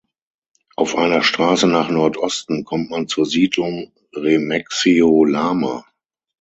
Auf einer Straße nach Nordosten kommt man zur Siedlung Remexio Lama.